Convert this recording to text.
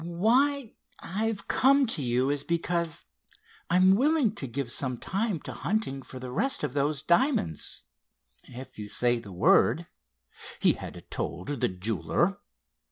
"Why—I've come to you, is because I'm willing to give some time to hunting for the rest of those diamonds if you say the word," he had told the jeweler.